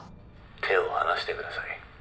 「手を離してください。